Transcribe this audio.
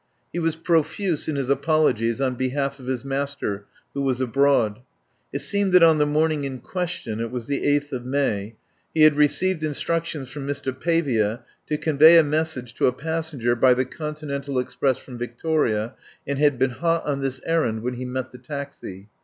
He was profuse in his apologies on behalf of his mas ter, who was abroad. It seemed that on the morning in question — it was the 8th of May — he had received instructions from Mr. Pavia to convey a message to a passenger by the Con tinental express from Victoria, and had been hot on this errand when he met the taxi.